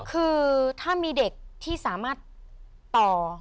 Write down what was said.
คือถ้ามีเด็กที่สามารถต่อ